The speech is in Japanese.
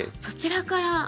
そちらから。